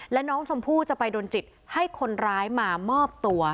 และน้องชมพู่จะไปโดนจิตให้คนร้ายมามอบตัว